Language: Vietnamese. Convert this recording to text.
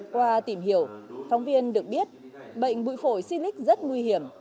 qua tìm hiểu thông viên được biết bệnh bụi phổi sinh lịch rất nguy hiểm